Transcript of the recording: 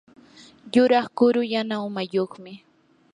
yuraq kuru yana umayuqmi.